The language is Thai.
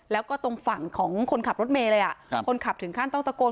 แล้วก็ตรงฝั่งของคนขับรถเมย์เลยคนขับถึงขั้นต้องตะโกน